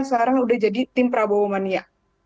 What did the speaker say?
sekarang udah jadi tim prabowo mania